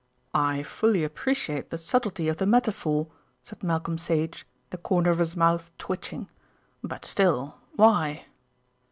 "I fully appreciate the subtlety of the metaphor," said Malcolm Sage, the corners of his mouth twitching; "but still why?"